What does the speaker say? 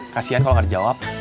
kasian kalau tidak ada jawab